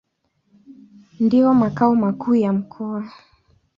Ndio makao makuu ya mkoa.